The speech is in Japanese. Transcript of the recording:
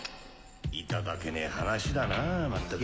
いただけねえ話だなぁまったく。